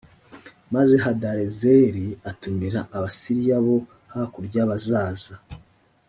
maze hadarezeri atumira abasiriya bo hakurya bazaza